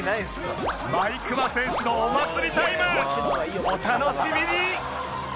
毎熊選手のお祭りタイムお楽しみに！